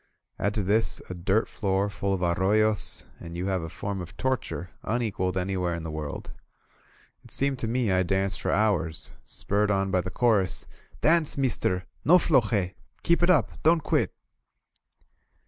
Add to this a dirt floor full of arroyos, and you have a form of torture un equaled anywhere in the world. It seemed to me I danced for hours, spurred on by the chorus: ^*Dance, meester ! No floje! Keep it up ! Don't quit